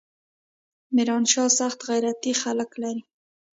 ميرانشاه سخت غيرتي خلق لري.